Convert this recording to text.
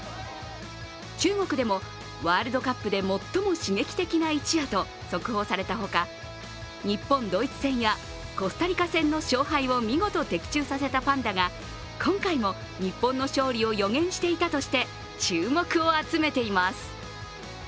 中国でも、ワールドカップで最も刺激的な一夜と速報されたほか、日本×ドイツ戦やコスタリカ戦の勝敗を見事的中させたパンダが今回も日本の勝利を予言していたとして注目を集めています。